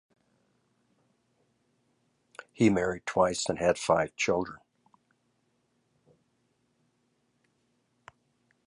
He married twice, and had five children.